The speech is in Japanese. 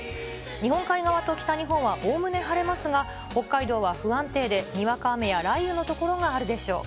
日本海側と北日本はおおむね晴れますが、北海道は不安定で、にわか雨や雷雨の所があるでしょう。